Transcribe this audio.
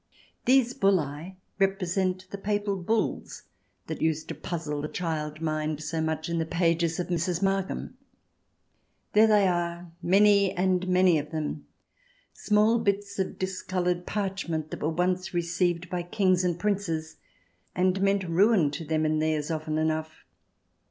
These Bullae represent the Papal Bulls that used to puzzle the child mind so much in the pages of Mrs. Mark ham. There they are, many and many of them — small bits of discoloured parchment that were once received by Kings and Princes, and meant ruin to them and theirs often enough.